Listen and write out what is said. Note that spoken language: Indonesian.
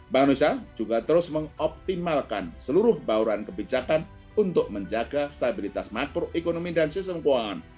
bank indonesia juga terus mengoptimalkan seluruh bauran kebijakan untuk menjaga stabilitas makroekonomi dan sistem keuangan